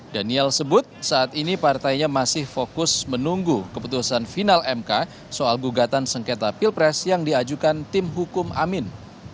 daniel sebut saat ini partainya masih fokus menunggu keputusan final mk soal gugatan sengketa pilpres yang diajukan tim hukum amin